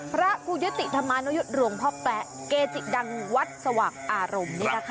พระภูเยติธรรมนายุทธรวงพ่อแป๊เกจิดังวัดสว่างอารมณ์